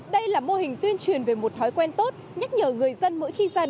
đây là mô hình tuyên truyền về một thói quen tốt nhắc nhở người dân mỗi khi ra đời